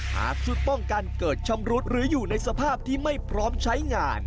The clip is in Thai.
หากชุดป้องกันเกิดชำรุดหรืออยู่ในสภาพที่ไม่พร้อมใช้งาน